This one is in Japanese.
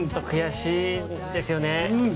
悔しいんですよね。